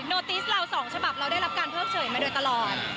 ติสเราสองฉบับเราได้รับการเพิกเฉยมาโดยตลอด